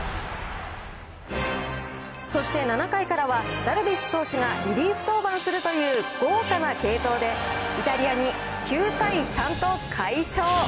そして７回からは、ダルビッシュ投手がリリーフ登板するという豪華な継投で、イタリアに９対３と快勝。